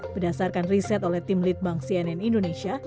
berdasarkan riset oleh tim lead bank cnn indonesia